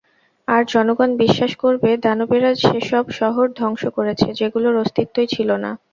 আর জনগণ বিশ্বাস করবে দানবেরা সেসব শহর ধ্বংস করেছে, যেগুলোর অস্তিত্বই ছিল না।